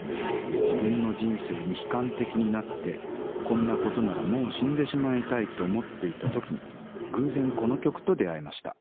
自分の人生に悲観的になってこんなことならもう死んでしまいたいと思っていた時に偶然この曲と出会いました。